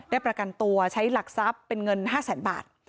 ประกันตัวใช้หลักทรัพย์เป็นเงิน๕แสนบาท